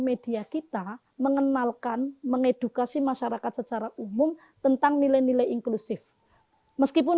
media kita mengenalkan mengedukasi masyarakat secara umum tentang nilai nilai inklusif meskipun